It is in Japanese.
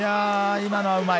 今のはうまい。